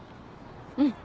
うん。